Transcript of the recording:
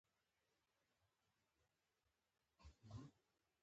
په افغانستان کې نورستان د خلکو د اعتقاداتو سره تړاو لري.